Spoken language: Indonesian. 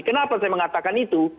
kenapa saya mengatakan itu